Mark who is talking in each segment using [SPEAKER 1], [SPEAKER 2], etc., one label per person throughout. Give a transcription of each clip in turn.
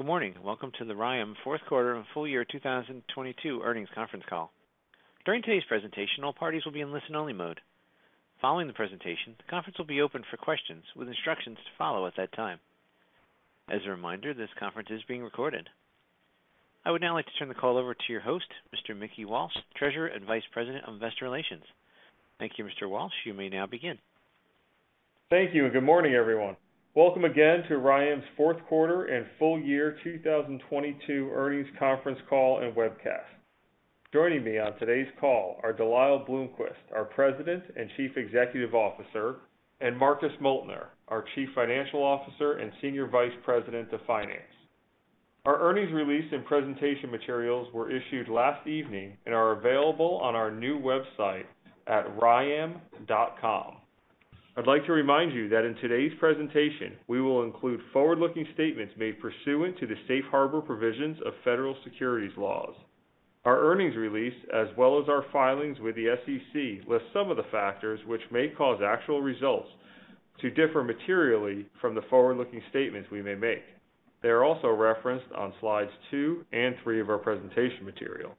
[SPEAKER 1] Good morning. Welcome to the RYAM fourth quarter and full year 2022 earnings conference call. During today's presentation, all parties will be in listen-only mode. Following the presentation, the conference will be open for questions with instructions to follow at that time. As a reminder, this conference is being recorded. I would now like to turn the call over to your host, Mr. Mickey Walsh, Treasurer and Vice President of Investor Relations. Thank you, Mr. Walsh. You may now begin. Thank you, and good morning, everyone. Welcome again to RYAM's fourth quarter and full year 2022 earnings conference call and webcast. Joining me on today's call are De Lyle Bloomquist, our President and Chief Executive Officer, and Marcus Moeltner, our Chief Financial Officer and Senior Vice President of Finance. Our earnings release and presentation materials were issued last evening and are available on our new website at ryam.com. I'd like to remind you that in today's presentation, we will include forward-looking statements made pursuant to the safe harbor provisions of federal securities laws. Our earnings release, as well as our filings with the SEC, lists some of the factors which may cause actual results to differ materially from the forward-looking statements we may make. They are also referenced on slides two and three of our presentation material.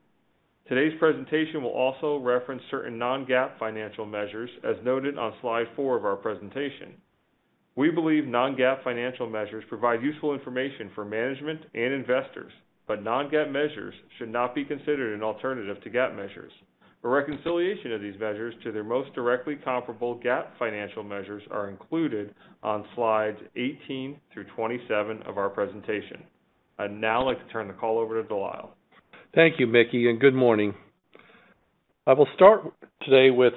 [SPEAKER 1] Today's presentation will also reference certain non-GAAP financial measures, as noted on slide four of our presentation. We believe non-GAAP financial measures provide useful information for management and investors. Non-GAAP measures should not be considered an alternative to GAAP measures. A reconciliation of these measures to their most directly comparable GAAP financial measures are included on slides 18 through 27 of our presentation. I'd now like to turn the call over to De Lyle.
[SPEAKER 2] Thank you, Mickey. Good morning. I will start today with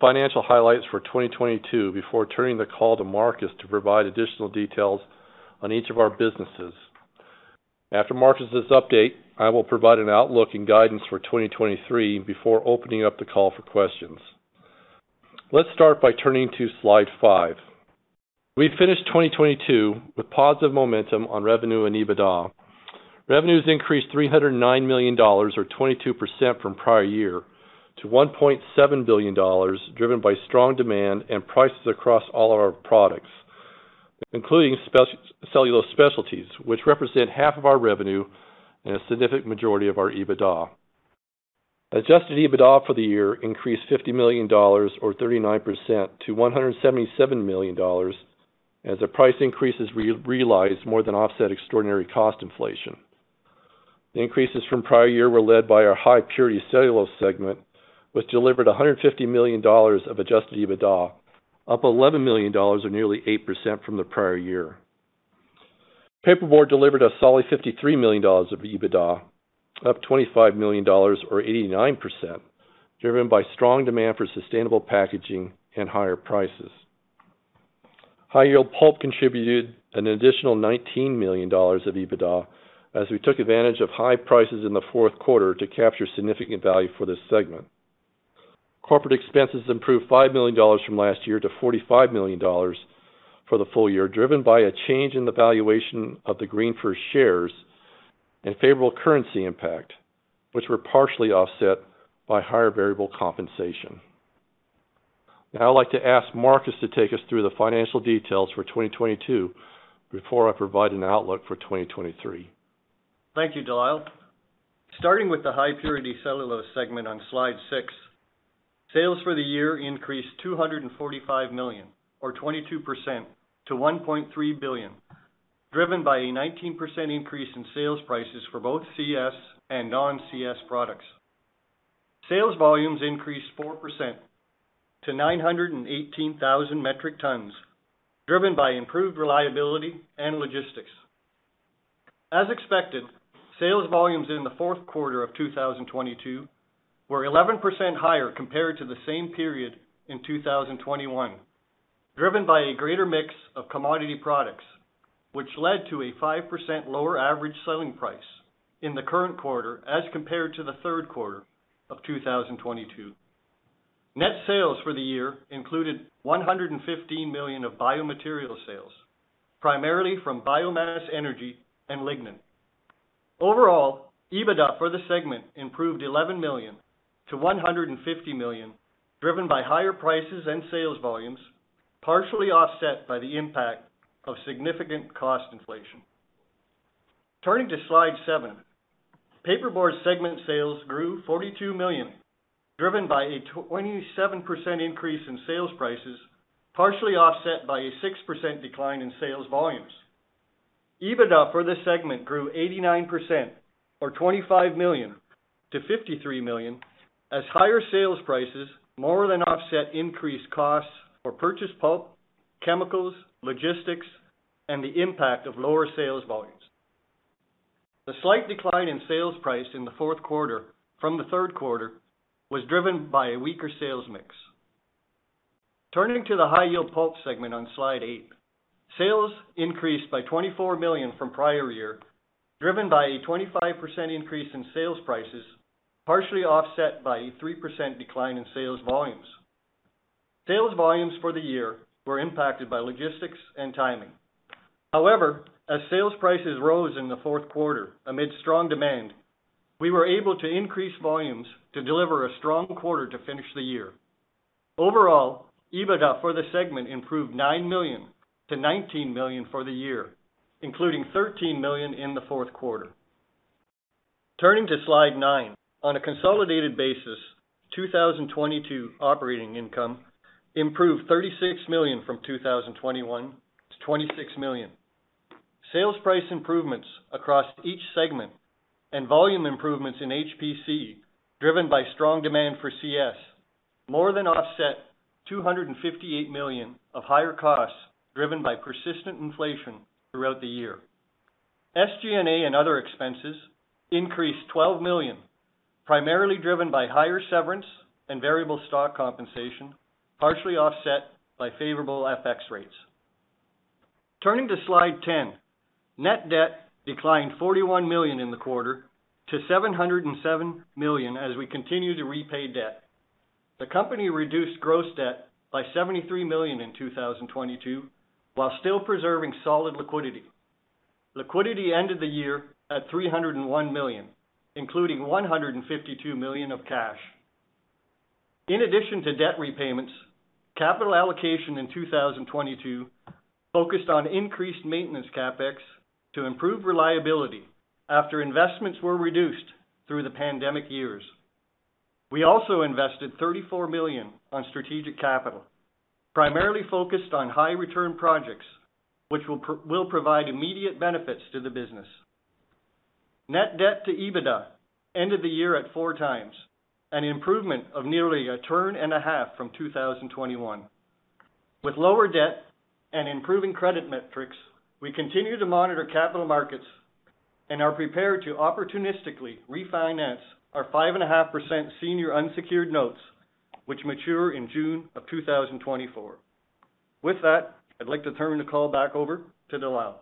[SPEAKER 2] financial highlights for 2022 before turning the call to Marcus to provide additional details on each of our businesses. After Marcus's update, I will provide an outlook and guidance for 2023 before opening up the call for questions. Let's start by turning to slide five. We finished 2022 with positive momentum on revenue and EBITDA. Revenues increased $309 million, or 22% from prior year, to $1.7 billion, driven by strong demand and prices across all of our products, including Cellulose Specialties, which represent half of our revenue and a significant majority of our EBITDA. Adjusted EBITDA for the year increased $50 million, or 39% to $177 million, as the price increases re-realized more than offset extraordinary cost inflation. The increases from prior year were led by our High-Purity Cellulose segment, which delivered $150 million of adjusted EBITDA, up $11 million or nearly 8% from the prior year. Paperboard delivered a solid $53 million of EBITDA, up $25 million or 89%, driven by strong demand for sustainable packaging and higher prices. High-Yield Pulp contributed an additional $19 million of EBITDA as we took advantage of high prices in the fourth quarter to capture significant value for this segment. Corporate expenses improved $5 million from last year to $45 million for the full year, driven by a change in the valuation of the GreenFirst shares and favorable currency impact, which were partially offset by higher variable compensation. Now I'd like to ask Marcus to take us through the financial details for 2022 before I provide an outlook for 2023.
[SPEAKER 3] Thank you, De Lyle.Starting with the High-Purity Cellulose segment on slide six, sales for the year increased $245 million, or 22% to $1.3 billion, driven by a 19% increase in sales prices for both CS and non-CS products. Sales volumes increased 4% to 918,000 metric tons, driven by improved reliability and logistics. As expected, sales volumes in the fourth quarter of 2022 were 11% higher compared to the same period in 2021, driven by a greater mix of commodity products, which led to a 5% lower average selling price in the current quarter as compared to the third quarter of 2022. Net sales for the year included $115 million of Biomaterial sales, primarily from biomass energy and lignin. Overall, EBITDA for the segment improved $11 million to $150 million, driven by higher prices and sales volumes, partially offset by the impact of significant cost inflation. Turning to Slide seven. Paperboard segment sales grew $42 million, driven by a 27% increase in sales prices, partially offset by a 6% decline in sales volumes. EBITDA for this segment grew 89% or $25 million to $53 million, as higher sales prices more than offset increased costs for purchased pulp, chemicals, logistics, and the impact of lower sales volumes. The slight decline in sales price in the fourth quarter from the third quarter was driven by a weaker sales mix. Turning to the High-Yield Pulp segment on Slide eight, sales increased by $24 million from prior year, driven by a 25% increase in sales prices, partially offset by a 3% decline in sales volumes. Sales volumes for the year were impacted by logistics and timing. As sales prices rose in the fourth quarter amid strong demand, we were able to increase volumes to deliver a strong quarter to finish the year. Overall, EBITDA for the segment improved $9 million-$19 million for the year, including $13 million in the fourth quarter. Turning to Slide nine. On a consolidated basis, 2022 operating income improved $36 million from 2021 to $26 million. Sales price improvements across each segment and volume improvements in HPC, driven by strong demand for CS, more than offset $258 million of higher costs driven by persistent inflation throughout the year. SG&A and other expenses increased $12 million, primarily driven by higher severance and variable stock compensation, partially offset by favorable FX rates. Turning to Slide 10. Net debt declined $41 million in the quarter to $707 million as we continue to repay debt. The company reduced gross debt by $73 million in 2022, while still preserving solid liquidity. Liquidity ended the year at $301 million, including $152 million of cash. In addition to debt repayments, capital allocation in 2022 focused on increased maintenance CapEx to improve reliability after investments were reduced through the pandemic years. We also invested $34 million on strategic capital, primarily focused on high return projects, which will provide immediate benefits to the business. Net debt to EBITDA ended the year at 4x, an improvement of nearly a turn and a half from 2021. With lower debt and improving credit metrics, we continue to monitor capital markets and are prepared to opportunistically refinance our 5.5% senior unsecured notes, which mature in June of 2024. With that, I'd like to turn the call back over to De Lyle.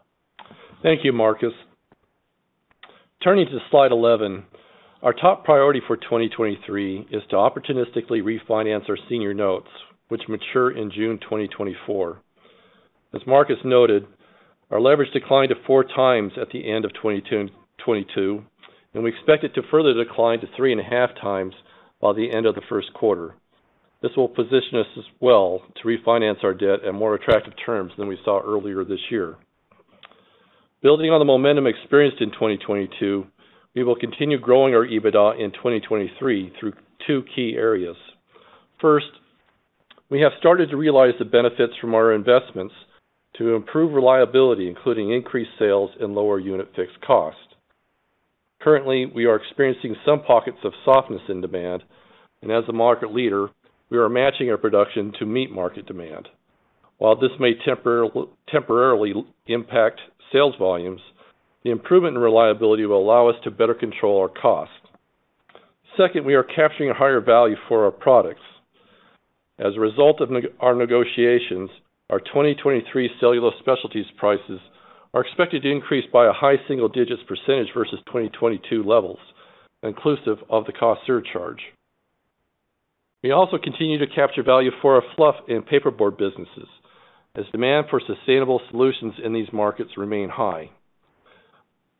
[SPEAKER 2] Thank you, Marcus. Turning to Slide 11. Our top priority for 2023 is to opportunistically refinance our senior notes, which mature in June 2024. As Marcus noted, our leverage declined to 4x at the end of 2022, we expect it to further decline to 3.5x by the end of the first quarter. This will position us as well to refinance our debt at more attractive terms than we saw earlier this year. Building on the momentum experienced in 2022, we will continue growing our EBITDA in 2023 through two key areas. First, we have started to realize the benefits from our investments to improve reliability, including increased sales and lower unit fixed cost. Currently, we are experiencing some pockets of softness in demand. As a market leader, we are matching our production to meet market demand. While this may temporarily impact sales volumes, the improvement in reliability will allow us to better control our cost. Second, we are capturing a higher value for our products. As a result of our negotiations, our 2023 Cellulose Specialties prices are expected to increase by a high single digits percentage versus 2022 levels, inclusive of the cost surcharge. We also continue to capture value for our Fluff and Paperboard businesses as demand for sustainable solutions in these markets remain high.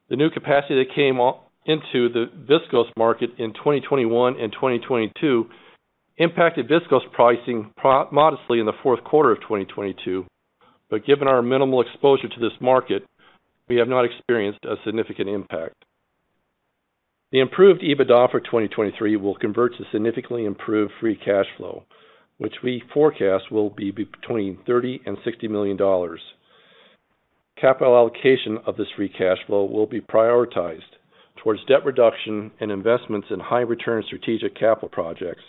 [SPEAKER 2] The new capacity that came into the Viscose market in 2021 and 2022 impacted Viscose pricing modestly in the fourth quarter of 2022. Given our minimal exposure to this market, we have not experienced a significant impact. The improved EBITDA for 2023 will convert to significantly improved free cash flow, which we forecast will be between $30 million and $60 million. Capital allocation of this free cash flow will be prioritized towards debt reduction and investments in high return strategic capital projects,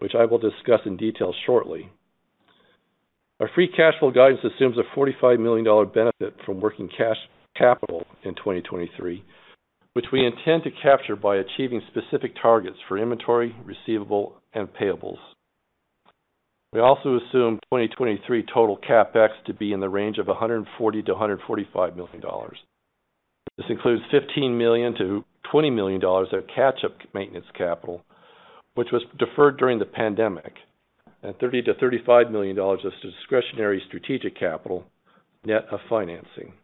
[SPEAKER 2] which I will discuss in detail shortly. Our free cash flow guidance assumes a $45 million benefit from working cash capital in 2023, which we intend to capture by achieving specific targets for inventory, receivable, and payables. We also assume 2023 total CapEx to be in the range of $140 million-$145 million. This includes $15 million-$20 million of catch-up maintenance capital, which was deferred during the pandemic, and $30 million-$35 million of discretionary strategic capital, net of financing.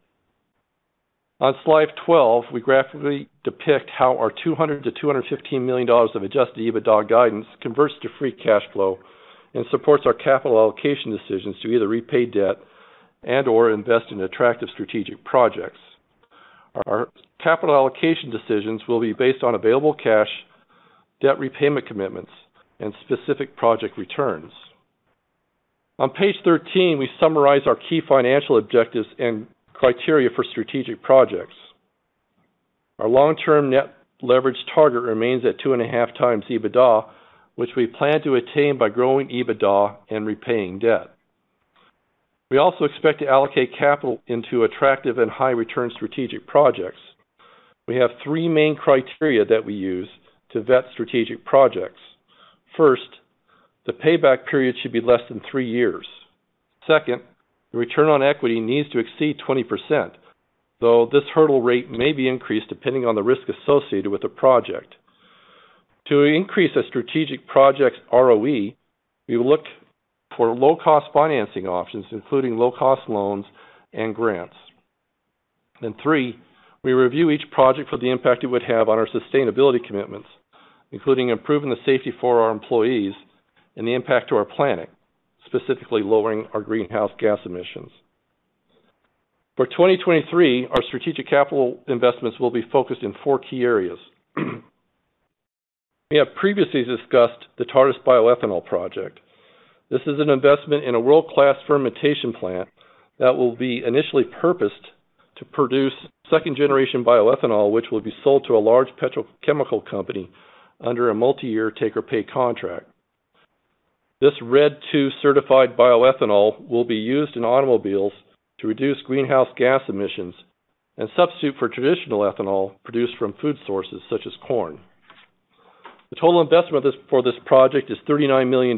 [SPEAKER 2] On Slide 12, we graphically depict how our $200 million-$215 million of adjusted EBITDA guidance converts to free cash flow and supports our capital allocation decisions to either repay debt and/or invest in attractive strategic projects. Our capital allocation decisions will be based on available cash, debt repayment commitments, and specific project returns. On page 13, we summarize our key financial objectives and criteria for strategic projects. Our long-term net leverage target remains at 2.5x EBITDA, which we plan to attain by growing EBITDA and repaying debt. We also expect to allocate capital into attractive and high return strategic projects. We have three main criteria that we use to vet strategic projects. First, the payback period should be less than three years. Second, the return on equity needs to exceed 20%, though this hurdle rate may be increased depending on the risk associated with the project. To increase a strategic project's ROE, we look for low cost financing options, including low cost loans and grants. Three, we review each project for the impact it would have on our sustainability commitments, including improving the safety for our employees and the impact to our planet, specifically lowering our greenhouse gas emissions. For 2023, our strategic capital investments will be focused in four key areas. We have previously discussed the Tartas bioethanol project. This is an investment in a world-class fermentation plant that will be initially purposed to produce second-generation bioethanol, which will be sold to a large petrochemical company under a multi-year take-or-pay contract. This RED 2 certified bioethanol will be used in automobiles to reduce greenhouse gas emissions and substitute for traditional ethanol produced from food sources, such as corn. The total investment for this project is $39 million,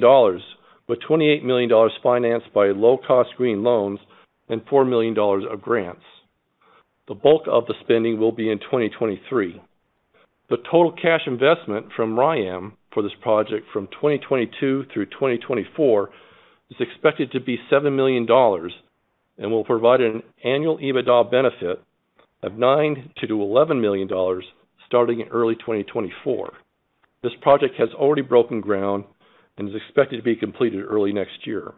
[SPEAKER 2] with $28 million financed by low-cost green loans and $4 million of grants. The bulk of the spending will be in 2023. The total cash investment from RYAM for this project from 2022 through 2024 is expected to be $7 million and will provide an annual EBITDA benefit of $9 million-$11 million starting in early 2024. This project has already broken ground and is expected to be completed early next year.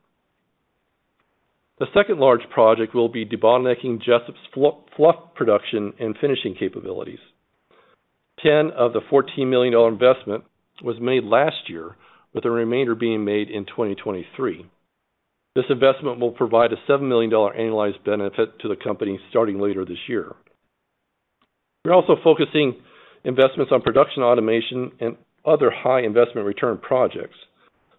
[SPEAKER 2] The second large project will be debottlenecking Jesup's fluff production and finishing capabilities. 10 of the $14 million investment was made last year, with the remainder being made in 2023. This investment will provide a $7 million annualized benefit to the company starting later this year. We're also focusing investments on production automation and other high investment return projects.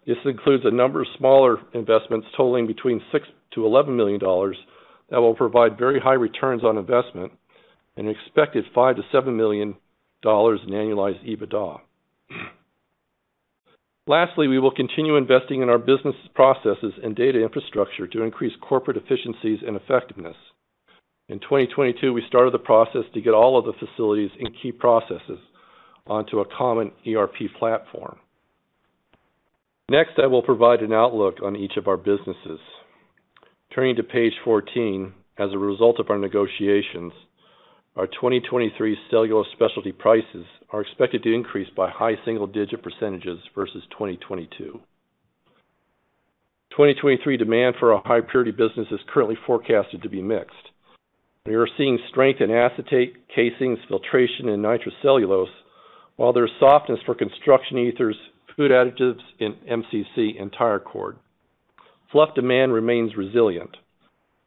[SPEAKER 2] This includes a number of smaller investments totaling between $6 million-$11 million that will provide very high returns on investment and an expected $5 million-$7 million in annualized EBITDA. Lastly, we will continue investing in our business processes and data infrastructure to increase corporate efficiencies and effectiveness. In 2022, we started the process to get all of the facilities and key processes onto a common ERP platform. Next, I will provide an outlook on each of our businesses. Turning to page 14, as a result of our negotiations, our 2023 Cellulose Specialties prices are expected to increase by high single-digit percentages versus 2022. 2023 demand for our High-Purity business is currently forecasted to be mixed. We are seeing strength in acetate, casings, filtration, and nitrocellulose, while there's softness for construction ethers, food additives in MCC, and tire cord. Fluff demand remains resilient.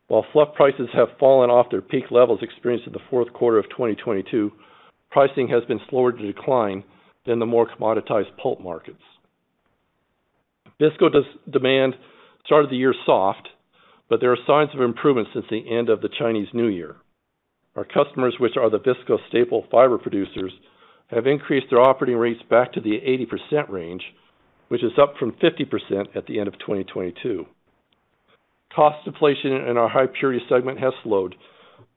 [SPEAKER 2] While Fluff prices have fallen off their peak levels experienced in the fourth quarter of 2022, pricing has been slower to decline than the more commoditized pulp markets. Viscose demand started the year soft, but there are signs of improvement since the end of the Chinese New Year. Our customers, which are the viscose staple fiber producers, have increased their operating rates back to the 80% range, which is up from 50% at the end of 2022. Cost inflation in our High-Purity segment has slowed,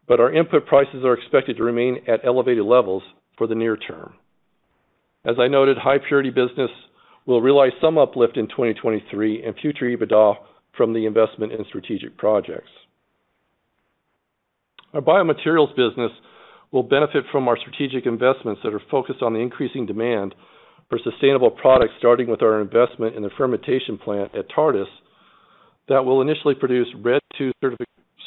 [SPEAKER 2] but our input prices are expected to remain at elevated levels for the near term. As I noted, High-Purity business will realize some uplift in 2023 and future EBITDA from the investment in strategic projects. Our Biomaterials business will benefit from our strategic investments that are focused on the increasing demand for sustainable products, starting with our investment in the fermentation plant at Tartas that will initially produce RED 2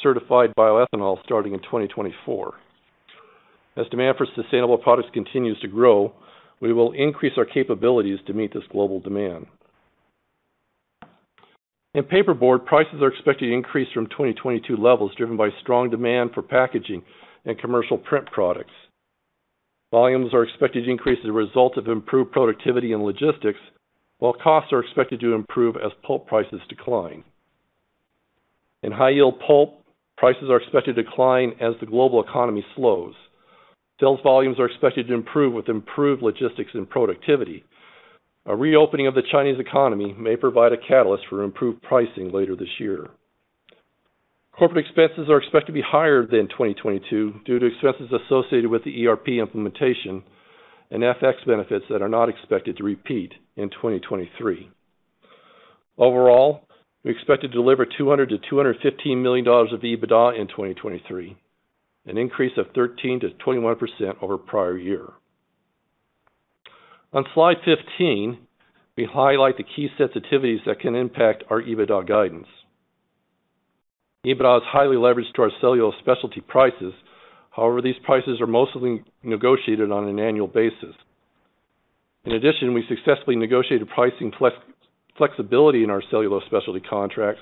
[SPEAKER 2] certified bioethanol starting in 2024. As demand for sustainable products continues to grow, we will increase our capabilities to meet this global demand. In Paperboard, prices are expected to increase from 2022 levels, driven by strong demand for packaging and commercial print products. Volumes are expected to increase as a result of improved productivity and logistics, while costs are expected to improve as pulp prices decline. In High-Yield Pulp, prices are expected to decline as the global economy slows. Sales volumes are expected to improve with improved logistics and productivity.A reopening of the Chinese economy may provide a catalyst for improved pricing later this year. Corporate expenses are expected to be higher than 2022 due to expenses associated with the ERP implementation and FX benefits that are not expected to repeat in 2023. Overall, we expect to deliver $200 million-$215 million of EBITDA in 2023, an increase of 13%-21% over prior year. On slide 15, we highlight the key sensitivities that can impact our EBITDA guidance. EBITDA is highly leveraged to our Cellulose Specialties prices. However, these prices are mostly negotiated on an annual basis. In addition, we successfully negotiated pricing flexibility in our Cellulose Specialties contracts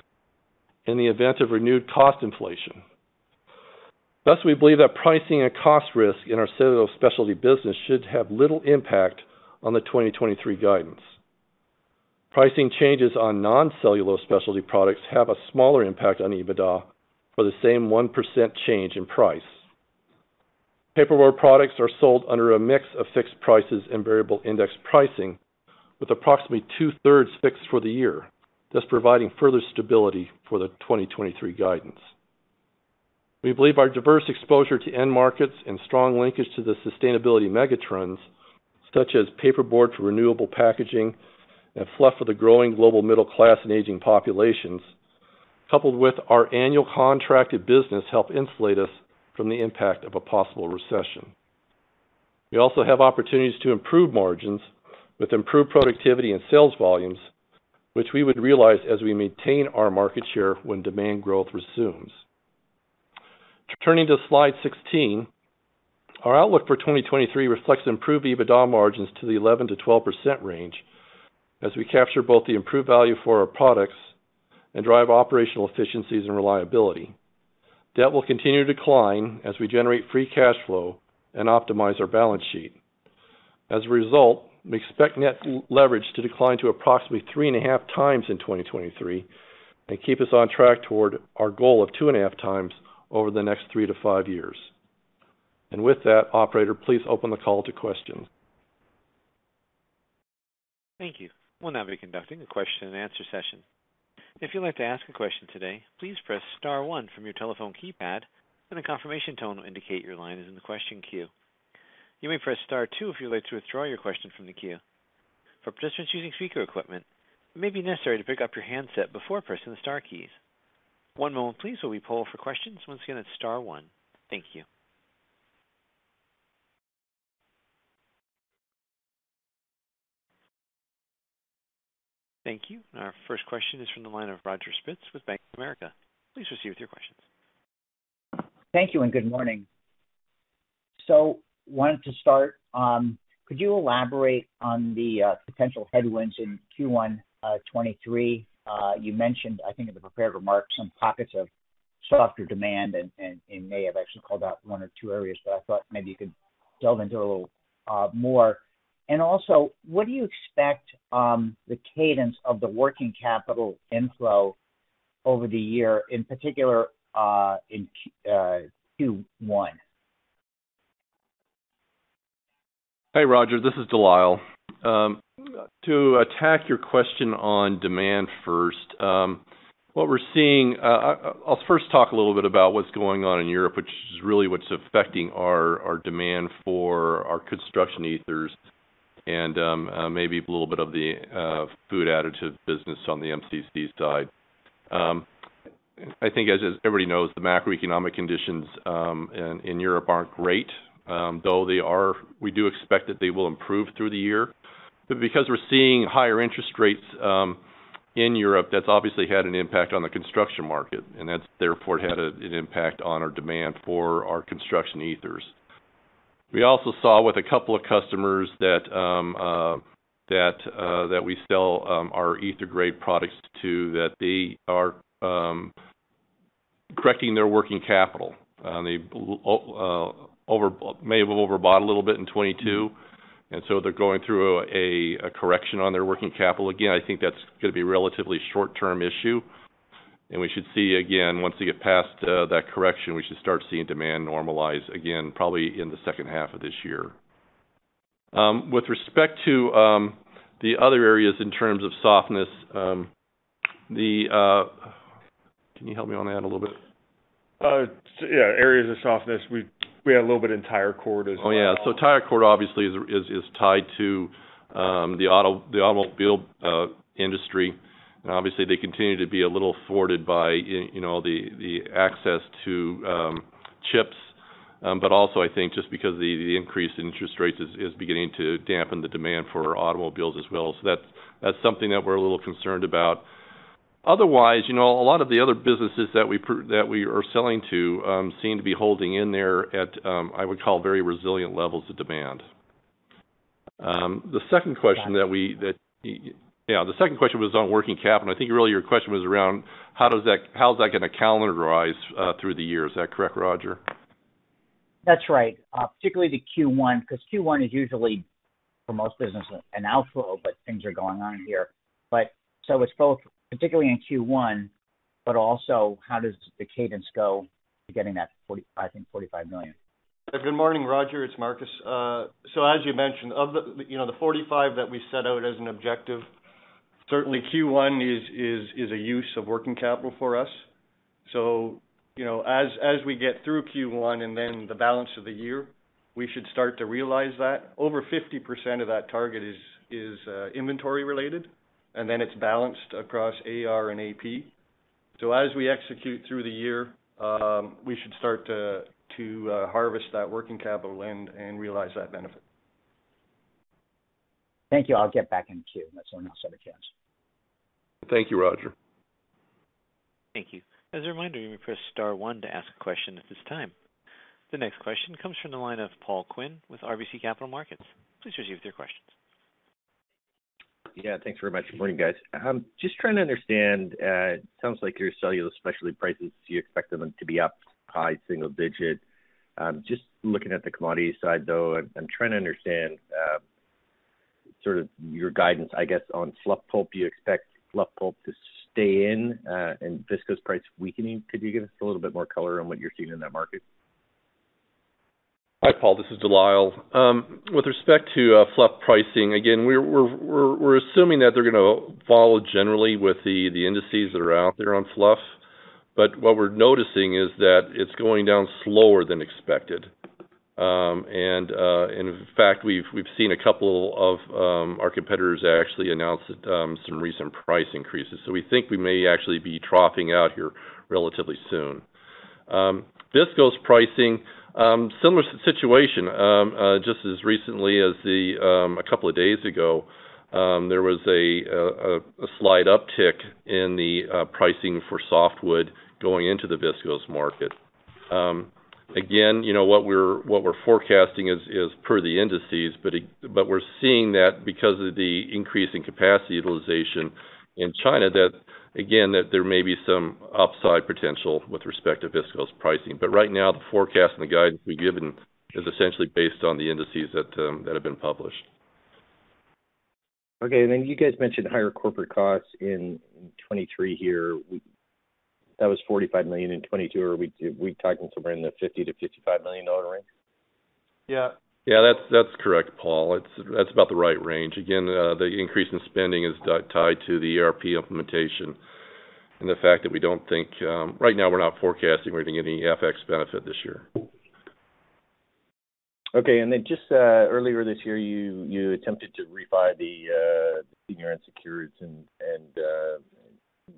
[SPEAKER 2] in the event of renewed cost inflation. We believe that pricing and cost risk in our Cellulose Specialties business should have little impact on the 2023 guidance. Pricing changes on non-Cellulose Specialties products have a smaller impact on EBITDA for the same 1% change in price. Paperboard products are sold under a mix of fixed prices and variable index pricing, with approximately 2/3 fixed for the year, thus providing further stability for the 2023 guidance. We believe our diverse exposure to end markets and strong linkage to the sustainability megatrends such as Paperboard for renewable packaging and Fluff for the growing global middle class and aging populations, coupled with our annual contracted business help insulate us from the impact of a possible recession. We also have opportunities to improve margins with improved productivity and sales volumes, which we would realize as we maintain our market share when demand growth resumes. Turning to slide 16, our outlook for 2023 reflects improved EBITDA margins to the 11%-12% range as we capture both the improved value for our products and drive operational efficiencies and reliability. Debt will continue to decline as we generate free cash flow and optimize our balance sheet. As a result, we expect net leverage to decline to approximately 3.5x in 2023 and keep us on track toward our goal of 2.5x over the next three to five years. With that, operator, please open the call to questions.
[SPEAKER 1] Thank you. We'll now be conducting a question and answer session. If you'd like to ask a question today, please press star one from your telephone keypad and a confirmation tone will indicate your line is in the question queue. You may press star two if you'd like to withdraw your question from the queue. For participants using speaker equipment, it may be necessary to pick up your handset before pressing the star keys. One moment please, while we poll for questions. Once again, it's star one. Thank you. Thank you. Our first question is from the line of Roger Spitz with Bank of America. Please proceed with your questions.
[SPEAKER 4] Thank you and good morning. Wanted to start, could you elaborate on the potential headwinds in Q1 2023? You mentioned, I think in the prepared remarks, some pockets of softer demand and may have actually called out one or two areas, but I thought maybe you could delve into a little more. Also, what do you expect the cadence of the working capital inflow over the year, in particular, in Q1?
[SPEAKER 2] Hey, Roger Spitz, this is De Lyle. To attack your question on demand first, what we're seeing, I'll first talk a little bit about what's going on in Europe, which is really what's affecting our demand for our construction ethers and maybe a little bit of the food additive business on the MCC side. I think as everybody knows, the macroeconomic conditions in Europe aren't great, we do expect that they will improve through the year. Because we're seeing higher interest rates in Europe, that's obviously had an impact on the construction market, and that's therefore had an impact on our demand for our construction ethers. We also saw with a couple of customers that we sell our ether-grade products to, that they are correcting their working capital, they may have overbought a little bit in 2022, and so they're going through a correction on their working capital. Again, I think that's gonna be relatively short term issue. We should see, again, once they get past that correction, we should start seeing demand normalize again, probably in the second half of this year. With respect to the other areas in terms of softness, the... Can you help me on that a little bit?
[SPEAKER 3] Yeah, areas of softness. We had a little bit in tire cord as well.
[SPEAKER 2] Yeah. Tire cord obviously is tied to the automobile industry. Obviously they continue to be a little thwarted by you know, the access to chips. Also I think just because the increase in interest rates is beginning to dampen the demand for automobiles as well. That's something that we're a little concerned about. Otherwise, you know, a lot of the other businesses that we are selling to seem to be holding in there at I would call very resilient levels of demand. The second question.
[SPEAKER 4] Got it.
[SPEAKER 2] Yeah, the second question was on working capital. I think really your question was around how is that gonna calendarize through the year? Is that correct, Roger?
[SPEAKER 4] That's right. particularly to Q1, because Q1 is usually for most businesses an outflow, but things are going on here. So it's both particularly in Q1, but also how does the cadence go to getting that $45 million?
[SPEAKER 3] Good morning, Roger, it's Marcus. As you mentioned, of the, you know, the 45 that we set out as an objective, certainly Q1 is a use of working capital for us. You know, as we get through Q1 and then the balance of the year, we should start to realize that. Over 50% of that target is inventory related, and then it's balanced across AR and AP. As we execute through the year, we should start to harvest that working capital and realize that benefit.
[SPEAKER 4] Thank you. I'll get back in queue. That's on our set of questions.
[SPEAKER 2] Thank you, Roger.
[SPEAKER 1] Thank you. As a reminder, you may press star one to ask a question at this time. The next question comes from the line of Paul Quinn with RBC Capital Markets. Please receive your questions.
[SPEAKER 5] Thanks very much. Morning, guys. just trying to understand, it sounds like your Cellulose Specialties prices, you expected them to be up high single-digit. just looking at the commodity side, though, I'm trying to understand, sort of your guidance, I guess, on Fluff pulp. Do you expect Fluff pulp to stay in, and Viscose price weakening? Could you give us a little bit more color on what you're seeing in that market?
[SPEAKER 2] Hi, Paul, this is De Lyle. With respect to Fluff pricing, again, we're assuming that they're gonna follow generally with the indices that are out there on Fluff. What we're noticing is that it's going down slower than expected. And in fact, we've seen a couple of our competitors actually announce some recent price increases. We think we may actually be dropping out here relatively soon. Viscose pricing, similar situation. Just as recently as a couple of days ago, there was a slight uptick in the pricing for softwood going into the Viscose market. Again, you know, what we're, what we're forecasting is per the indices. We're seeing that because of the increase in capacity utilization in China, that again, that there may be some upside potential with respect to viscose pricing. Right now, the forecast and the guidance we've given is essentially based on the indices that have been published.
[SPEAKER 5] Okay. You guys mentioned higher corporate costs in 2023 here. That was $45 million in 2022. Are we talking somewhere in the $50 million-$55 million range?
[SPEAKER 2] Yeah. Yeah, that's correct, Paul. That's about the right range. Again, the increase in spending is tied to the ERP implementation and the fact that we don't think... Right now we're not forecasting we're gonna get any FX benefit this year.
[SPEAKER 5] Okay. Then just earlier this year, you attempted to refi the senior unsecureds and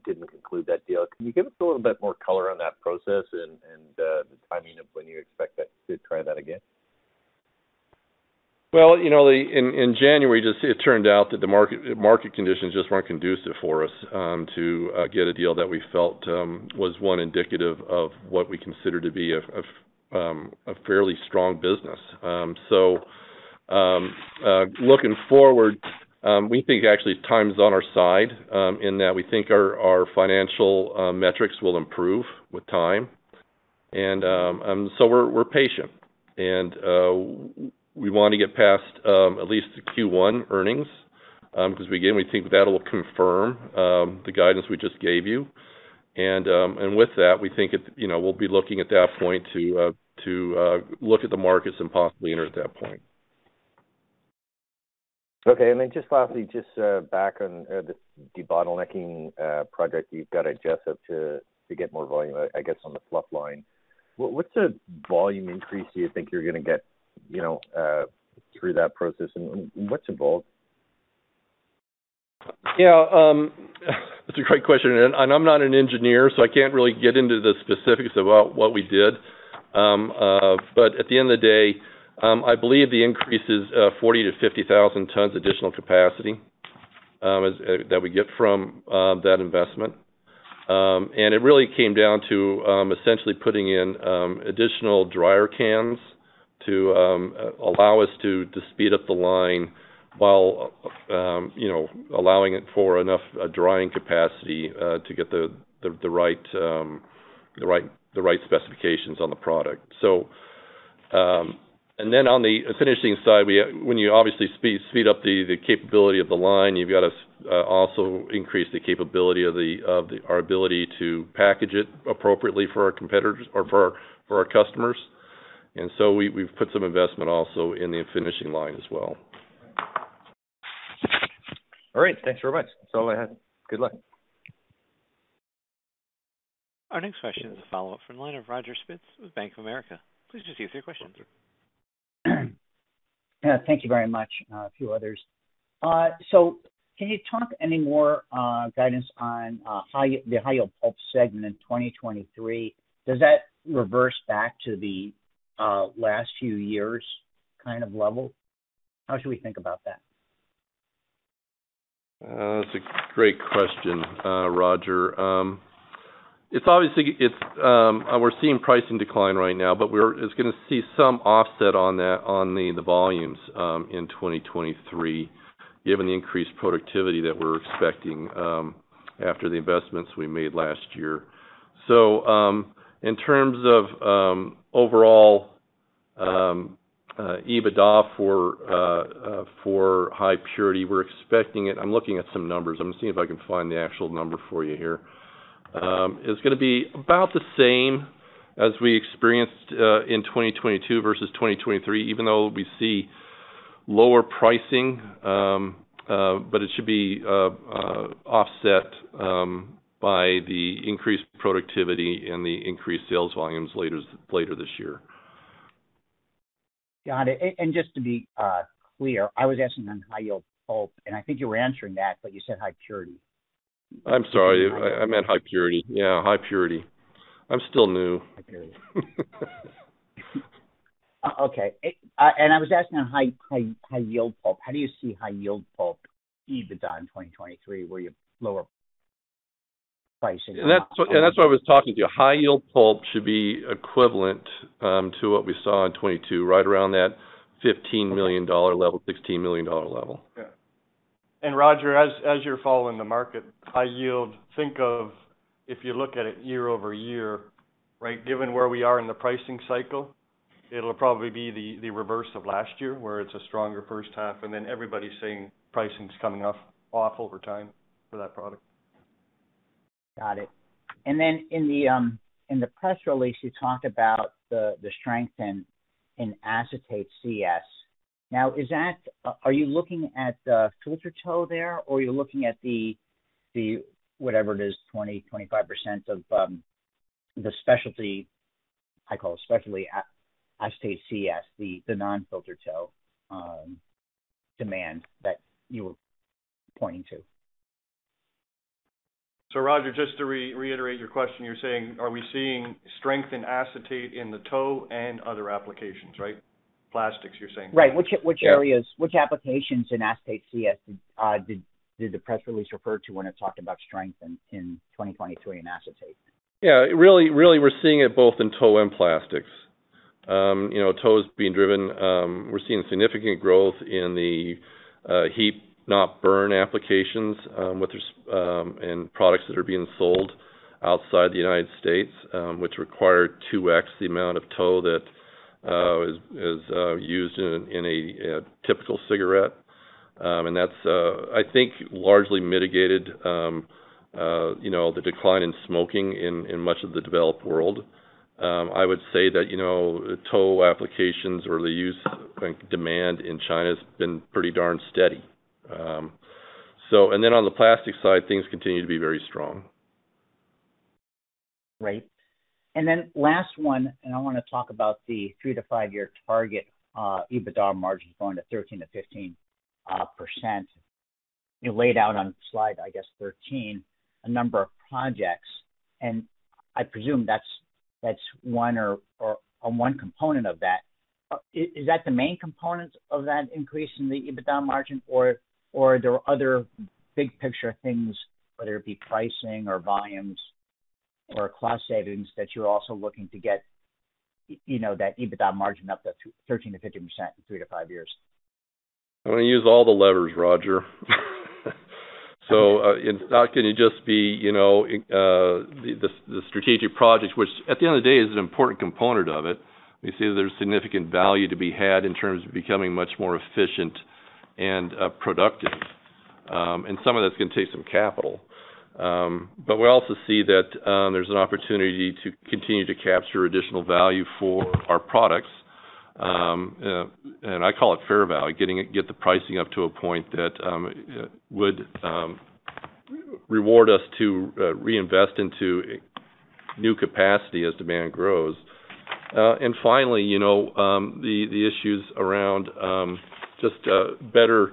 [SPEAKER 5] didn't conclude that deal. Can you give us a little bit more color on that process and the timing of when you expect that to try that again?
[SPEAKER 2] Well, you know, in January, just it turned out that the market conditions just weren't conducive for us to get a deal that we felt was one indicative of what we consider to be a fairly strong business. Looking forward, we think actually time is on our side, in that we think our financial metrics will improve with time. We're patient. We wanna get past at least the Q1 earnings, 'cause again, we think that'll confirm the guidance we just gave you. With that, we think it's, you know, we'll be looking at that point to look at the markets and possibly enter at that point.
[SPEAKER 5] Okay. Then just lastly, just back on this debottlenecking project you've got at Jesup to get more volume, I guess, on the Fluff line, what's the volume increase you think you're gonna get, you know, through that process? What's involved?
[SPEAKER 2] That's a great question. I'm not an engineer, so I can't really get into the specifics about what we did. At the end of the day, I believe the increase is 40,000-50,000 tons additional capacity that we get from that investment. It really came down to essentially putting in additional dryer cans to allow us to speed up the line while, you know, allowing it for enough drying capacity to get the right specifications on the product. On the finishing side, when you obviously speed up the capability of the line, you've got to also increase the capability of the. Our ability to package it appropriately for our competitors or for our, for our customers. We've put some investment also in the finishing line as well.
[SPEAKER 5] All right. Thanks very much. That's all I had. Good luck.
[SPEAKER 1] Our next question is a follow-up from the line of Roger Spitz with Bank of America. Please just use your question.
[SPEAKER 4] Thank you very much, a few others. Can you talk any more guidance on the High-Yield Pulp segment in 2023? Does that reverse back to the last few years kind of level? How should we think about that?
[SPEAKER 2] That's a great question, Roger. It's obviously. We're seeing pricing decline right now, but we're gonna see some offset on that, on the volumes in 2023, given the increased productivity that we're expecting after the investments we made last year. In terms of overall EBITDA for high purity, we're expecting it. I'm looking at some numbers. I'm gonna see if I can find the actual number for you here. It's gonna be about the same as we experienced in 2022 versus 2023, even though we see lower pricing, but it should be offset by the increased productivity and the increased sales volumes later this year.
[SPEAKER 4] Got it. Just to be clear, I was asking on high-yield pulp, and I think you were answering that, but you said High Purity.
[SPEAKER 2] I'm sorry. I meant High-Purity. Yeah, High-Purity. I'm still new.
[SPEAKER 4] High-Purity. Oh, okay. I was asking on High-Yield Pulp. How do you see High-Yield Pulp EBITDA in 2023 where you lower pricing-
[SPEAKER 2] That's, and that's what I was talking to you. High-Yield Pulp should be equivalent to what we saw in 2022, right around that $15 million level, $16 million level.
[SPEAKER 3] Yeah. Roger, as you're following the market, High-Yield Pulp, think of if you look at it year-over-year, right? Given where we are in the pricing cycle, it'll probably be the reverse of last year, where it's a stronger first half, and then everybody's seeing pricing's coming off over time for that product.
[SPEAKER 4] Got it. In the press release, you talked about the strength in acetate CS. Are you looking at the filtered tow there or you're looking at the whatever it is, 20-25% of the specialty I call especially acetate CS, the non-filtered tow demand that you were pointing to?
[SPEAKER 2] Roger, just to reiterate your question, you're saying are we seeing strength in acetate in the tow and other applications, right? Plastics, you're saying.
[SPEAKER 4] Right. Which areas, which applications in acetate CS, did the press release refer to when it talked about strength in 2023 in acetate?
[SPEAKER 2] Really we're seeing it both in tow and plastics. You know, tow is being driven. We're seeing significant growth in the Heat not Burn applications, in products that are being sold outside the United States, which require 2x the amount of tow that is used in a typical cigarette. That's, I think largely mitigated, you know, the decline in smoking in much of the developed world. I would say that, you know, tow applications or the use, like, demand in China has been pretty darn steady. On the plastic side, things continue to be very strong.
[SPEAKER 4] Right. Last one, I wanna talk about the three to five year target, EBITDA margin going to 13%-15%. You laid out on slide, I guess 13, a number of projects. I presume that's one or one component of that. Is that the main component of that increase in the EBITDA margin or are there other big picture things, whether it be pricing or volumes or cost savings that you're also looking to get, you know, that EBITDA margin up to 13%-15% in three to five years?
[SPEAKER 2] I'm gonna use all the levers, Roger. it's not gonna just be, you know, the strategic projects, which at the end of the day is an important component of it. We see there's significant value to be had in terms of becoming much more efficient and productive. some of that's gonna take some capital. we also see that there's an opportunity to continue to capture additional value for our products. I call it fair value, get the pricing up to a point that would reward us to reinvest into new capacity as demand grows. finally, you know, the issues around just better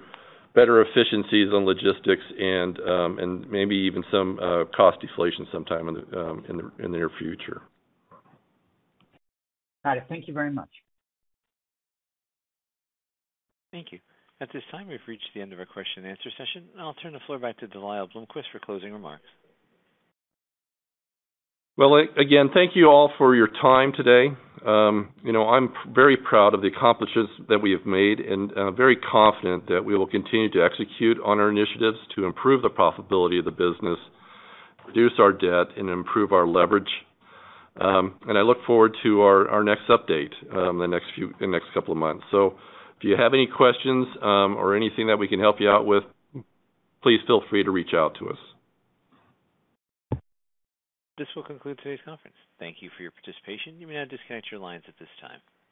[SPEAKER 2] efficiencies on logistics and maybe even some cost deflation sometime in the near future.
[SPEAKER 4] Got it. Thank you very much.
[SPEAKER 1] Thank you. At this time, we've reached the end of our question and answer session. I'll turn the floor back to De Lyle Bloomquist for closing remarks.
[SPEAKER 2] Well, again, thank you all for your time today. You know, I'm very proud of the accomplishments that we have made and very confident that we will continue to execute on our initiatives to improve the profitability of the business, reduce our debt and improve our leverage. I look forward to our next update in the next couple of months. If you have any questions, or anything that we can help you out with, please feel free to reach out to us.
[SPEAKER 1] This will conclude today's conference. Thank you for your participation. You may now disconnect your lines at this time.